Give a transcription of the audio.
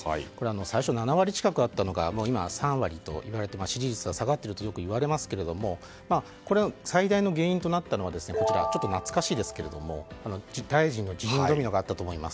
最初は７割近くあったのが今は３割で支持率が下がっているとよくいわれますがこれの最大の原因となったのがちょっと懐かしいですが大臣の辞任ドミノがあったと思います。